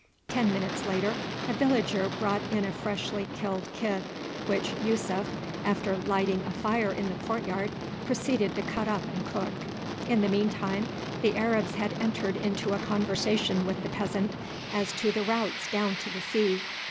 Ten minutes later a villager brought in a freshly killed kid, which Yussuf, after lighting a fire in the court yard, proceeded to cut up and cook. In the meantime the Arabs had entered into a conversation with the peasant as to the routes down to the sea.